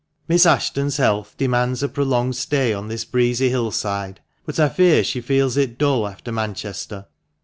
Miss Ashton's health demands a prolonged stay on this breezy hill side, but I fear she feels it dull after Manchester.